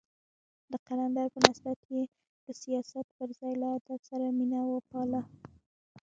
د قلندر په نسبت يې له سياست پر ځای له ادب سره مينه وپالله.